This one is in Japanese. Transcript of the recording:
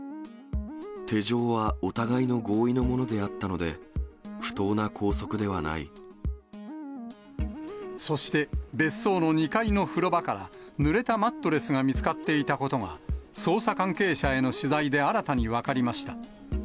手錠はお互いの合意のものでそして、別荘の２階の風呂場から、ぬれたマットレスが見つかっていたことが、捜査関係者への取材で新たに分かりました。